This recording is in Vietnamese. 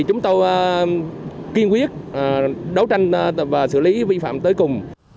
chúng tôi kiên quyết đấu tranh và xử lý vi phạm tới cùng